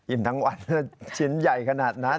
ทั้งวันชิ้นใหญ่ขนาดนั้น